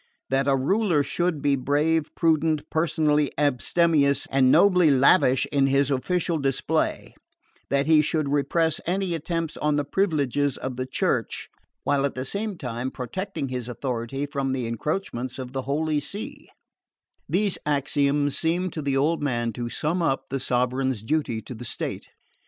That a ruler should be brave, prudent, personally abstemious, and nobly lavish in his official display; that he should repress any attempts on the privileges of the Church, while at the same time protecting his authority from the encroachments of the Holy See; these axioms seemed to the old man to sum up the sovereign's duty to the state.